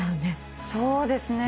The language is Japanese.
そうですね。